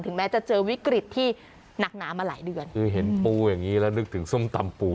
แม้จะเจอวิกฤตที่หนักหนามาหลายเดือนคือเห็นปูอย่างงี้แล้วนึกถึงส้มตำปู